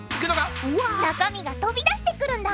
中身が飛び出してくるんだ！